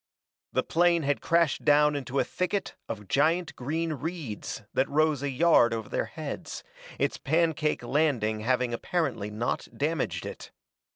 The plane had crashed down into a thicket of giant green reeds that rose a yard over their heads, its pancake landing having apparently not damaged it.